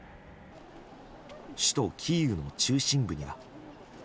首都キーウの中心部には。